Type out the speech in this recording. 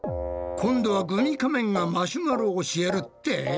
今度はグミ仮面がマシュマロ教えるって？